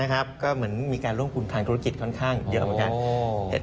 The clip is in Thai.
นะครับก็เหมือนมีการร่วมคุณภัณฑ์ธุรกิจค่อนข้างเดียวเหมือนกัน